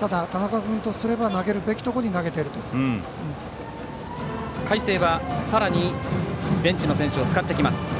ただ、田中君からすれば投げるべきところに海星はさらにベンチの選手を使ってきます。